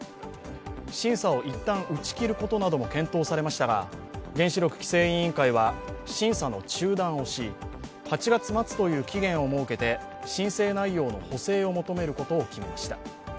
審査をいったん打ち切ることなども検討されましたが原子力規制委員会は審査の中断をし、８月末という期限を設けて申請内容の補正を求めることを決めました。